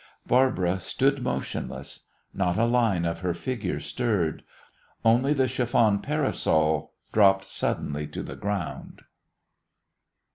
Barbara stood motionless. Not a line of her figure stirred. Only the chiffon parasol dropped suddenly to the ground.